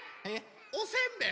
おせんべい？